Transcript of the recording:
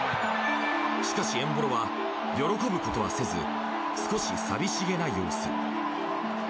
しかし、エンボロは喜ぶことはせず少し寂しげな様子。